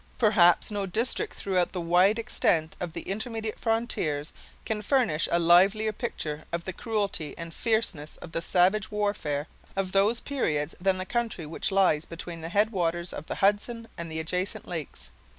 Perhaps no district throughout the wide extent of the intermediate frontiers can furnish a livelier picture of the cruelty and fierceness of the savage warfare of those periods than the country which lies between the head waters of the Hudson and the adjacent lakes.